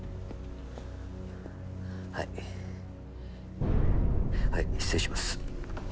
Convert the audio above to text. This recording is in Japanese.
はいはい失礼します。